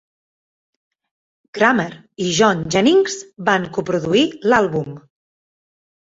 Grammer i John Jennings van coproduir l'àlbum.